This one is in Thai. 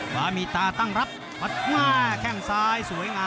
ขวามีตาตั้งรับมัดหน้าแข้งซ้ายสวยงาม